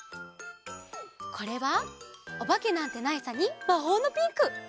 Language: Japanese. これは「おばけなんてないさ」に「魔法のピンク」。